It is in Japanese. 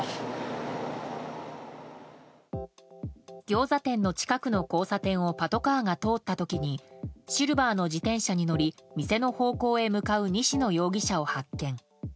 ギョーザ店の近くの交差点をパトカーが通った時にシルバーの自転車に乗り店の方向に向かう西野容疑者を発見。